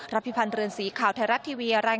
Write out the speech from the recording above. รับพิพันธ์เรือนสีข่าวไทยรักทีวี